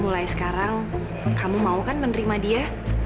mulai sekarang kamu mau kan menerima dia